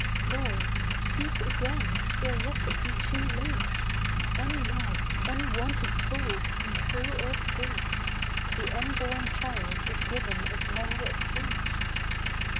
Lord, speak again, ere yet it be too late, Unloved, unwanted souls come through earth's gate: The unborn child is given a dower of hate.